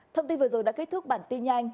thông tin vừa rồi đã kết thúc bản tin nhanh